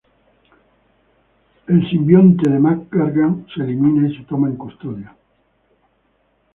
El simbionte de Mac Gargan se elimina y se toma en custodia.